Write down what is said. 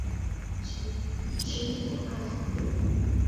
宣统二年。